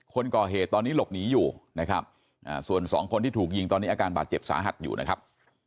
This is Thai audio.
คนก่อเหตุตอนนี้หลบหนีอยู่นะครับส่วนสองคนที่ถูกยิงตอนนี้อาการบาดเจ็บสาหัสอยู่นะครับ